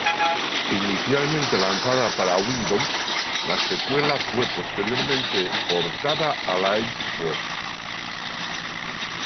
Inicialmente lanzada para Windows, la secuela fue posteriormente portada a la Xbox.